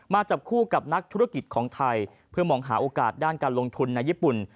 จับคู่กับนักธุรกิจของไทยเพื่อมองหาโอกาสด้านการลงทุนในญี่ปุ่น